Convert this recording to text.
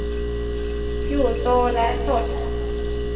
อยู่โตและสด